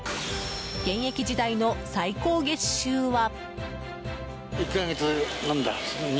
現役時代の最高月収は。